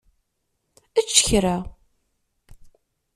Ečč kra!